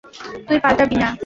তুই পাল্টাবি না?